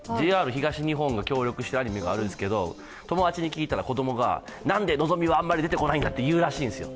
ＪＲ東日本が協力したアニメがあるんですけど友達に聞いたら、なんで「のぞみ」はなんで出てこないのかと言うんですよ、